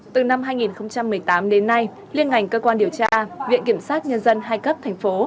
từ năm hai nghìn một mươi tám đến nay liên ngành cơ quan điều tra viện kiểm sát nhân dân hai cấp thành phố